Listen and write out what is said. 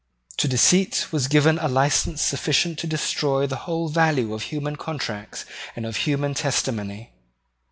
To deceit was given a license sufficient to destroy the whole value of human contracts and of human testimony.